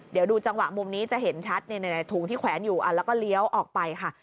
เดี๋ยวดูจังหวะมุมนี้จะเห็นชัดถุงที่แขวนอยู่แล้วก็เลี้ยวออกไปค่ะ